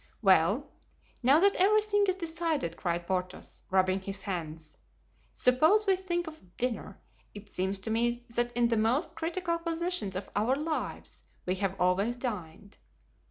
"Well, now that everything is decided," cried Porthos, rubbing his hands, "suppose we think of dinner! It seems to me that in the most critical positions of our lives we have always dined."